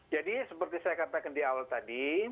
jadi seperti saya katakan di awal tadi